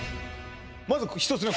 まず１つ目